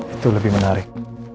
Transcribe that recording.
itu lebih menarik